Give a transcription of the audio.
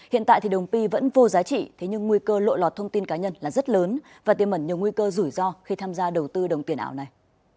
hiện tại thì đồng pi vẫn vô giá trị thế nhưng nguy cơ lộ lọt thông tin cá nhân là rất lớn và tiêm mẩn nhiều nguy cơ rủi ro khi tham gia đầu tư đồng tiền ảo này